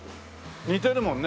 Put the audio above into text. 似てるもんね。